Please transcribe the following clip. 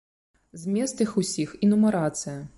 Змест іх усіх і нумарацыя.